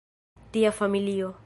Tia familio.